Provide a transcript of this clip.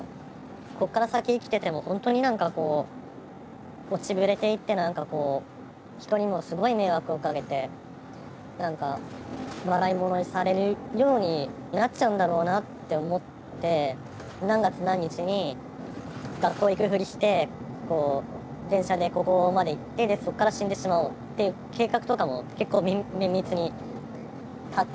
ここから先生きてても本当に何かこう落ちぶれていって何かこう人にもすごい迷惑をかけて何か笑い者にされるようになっちゃうんだろうなって思って何月何日に学校行くふりして電車でここまで行ってそこから死んでしまおうっていう計画とかも結構綿密に立てたりとか。